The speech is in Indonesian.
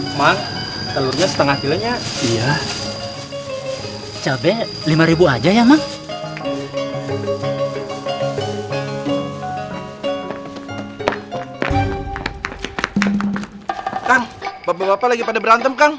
semangat telurnya setengah sila nya sudah hai cabek rp lima ribu hatteng